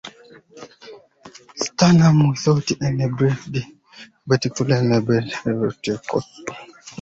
Sternum without any bifid tubercular prominence behind the anterior coxae.